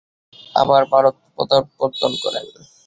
তিনি আবার ভারতে প্রত্যাবর্তন করেন।